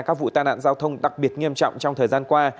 các vụ tai nạn giao thông đặc biệt nghiêm trọng trong thời gian qua